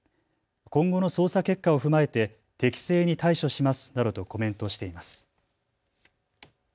今後の捜査結果を踏まえて適正に対処しますなどとコメントしています。